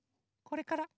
これから。